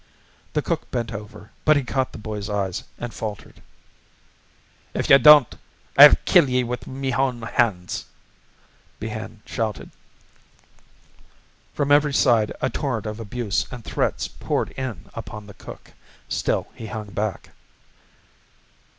The cook bent over, but he caught the boy's eyes and faltered. "If ye don't, I'll kill ye with me own hands," Behane shouted. From every side a torrent of abuse and threats poured in upon the cook. Still he hung back.